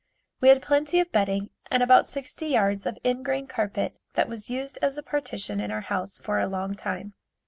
We had plenty of bedding and about sixty yards of ingrain carpet that was used as a partition in our house for a long time.